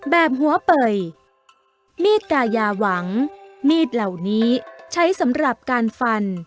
แบบหัวเปยมีดกายาหวังมีดเหล่านี้ใช้สำหรับการฟัน